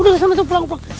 udah udah udah pulang pulang